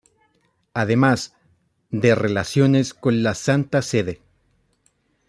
Además, de relaciones con la Santa Sede.